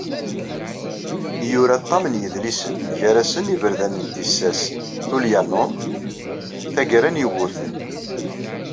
Yura ṭam n yidlisen, gar-asen "Iberdan n tissas, Tullianum, Taggara n Yugurten".